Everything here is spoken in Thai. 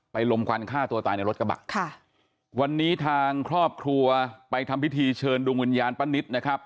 ลมควันฆ่าตัวตายในรถกระบะค่ะวันนี้ทางครอบครัวไปทำพิธีเชิญดวงวิญญาณป้านิตนะครับ